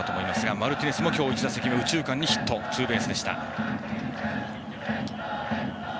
マルティネスも今日１打席目ヒットツーベースでした。